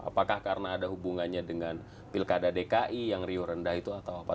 apakah karena ada hubungannya dengan pilkada dki yang riuh rendah itu atau apa